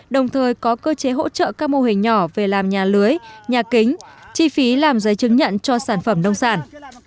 đồng thời có cơ chế hỗ trợ các mô hình nhỏ về làm nhà lưới nhà kính chi phí làm giấy chứng nhận cho sản phẩm nông sản